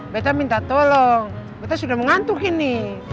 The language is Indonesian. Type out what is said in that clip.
beta minta tolong beta sudah mengantuk ini